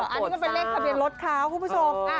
อันนี้ก็เป็นเลขทะเบียนรถเขาคุณผู้ชม